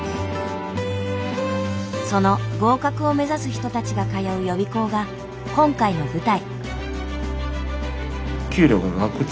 その合格を目指す人たちが通う予備校が今回の舞台。